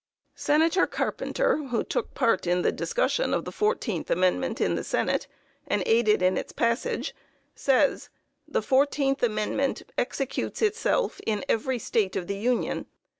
Senator Carpenter, who took part in the discussion of the fourteenth amendment in the Senate, and aided in its passage, says: "The fourteenth amendment executes itself in every State of the Union....